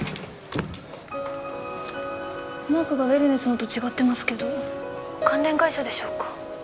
マークがウェルネスのと違ってますけど関連会社でしょうか？